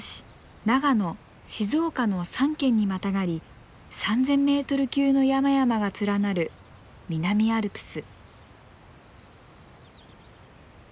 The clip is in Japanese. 長野静岡の３県にまたがり３，０００メートル級の山々が連なる南アルプス。